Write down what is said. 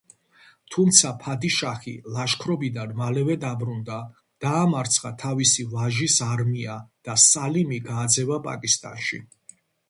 თუმცა ფადიშაჰი ლაშქრობიდან მალევე დაბრუნდა, დაამარცხა თავისი ვაჟის არმია და სალიმი გააძევა პაკისტანში.